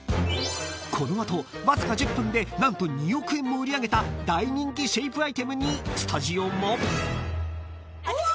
［この後わずか１０分で何と２億円も売り上げた大人気シェイプアイテムにスタジオも］うお！